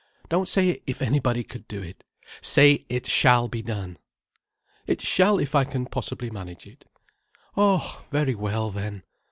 "Don't say 'if anybody could do it.' Say it shall be done." "It shall if I can possibly manage it—" "Oh—very well then.